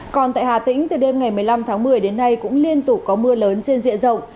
còn tại hà tĩnh từ đêm ngày một mươi năm tháng một mươi đến nay cũng liên tục có mưa lớn trên diện rộng